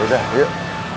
ya udah yuk